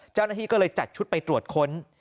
เจ้าหน้าที่ก็เลยจัดชุดไปตรวจค้น